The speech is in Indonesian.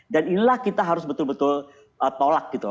dan inilah kita harus betul betul tolak gitu